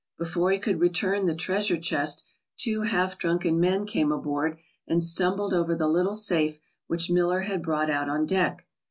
Before he could return the treasure chest two half drunken men came aboard and stumbled over the little safe which Miller had brought out on deck.